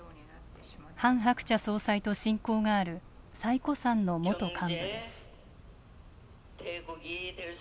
ハン・ハクチャ総裁と親交がある最古参の元幹部です。